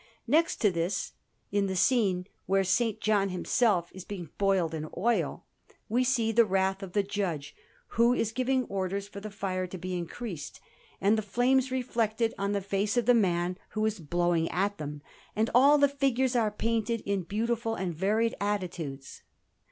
Next to this, in the scene where S. John himself is being boiled in oil, we see the wrath of the judge, who is giving orders for the fire to be increased, and the flames reflected on the face of the man who is blowing at them; and all the figures are painted in beautiful and varied attitudes.